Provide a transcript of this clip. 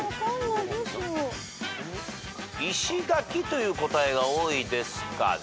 「いしがき」という答えが多いですかね。